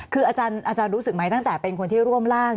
คืออาจารย์รู้สึกไหมตั้งแต่เป็นคนที่ร่วมร่าง